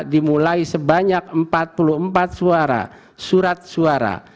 dimulai sebanyak empat puluh empat suara surat suara